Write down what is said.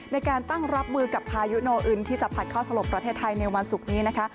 ในการตั้งรับมือกับพายุโนอึนที่จะพัดเข้าถล่มประเทศไทยในวันศุกร์นี้นะคะ